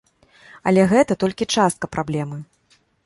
Але гэта толькі частка праблемы.